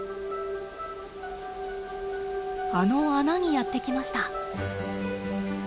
あの穴にやって来ました。